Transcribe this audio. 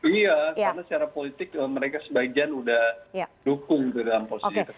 iya karena secara politik mereka sebagian sudah dukung tuh dalam posisi itu